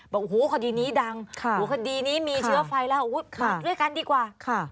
บอกโอ้โหคดีนี้ดังคดีนี้มีเชื้อไฟแล้วขาดด้วยกันดีกว่าค่ะ